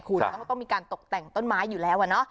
คุณต้องมีการตกแต่งต้นไม้อยู่แล้ว